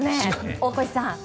大越さん。